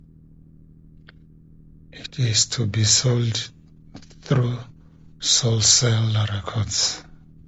It is to be sold through Soulseller Records.